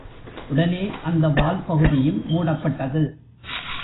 உடனே அந்த வால்பகுதியும் மூடப்பட்டது.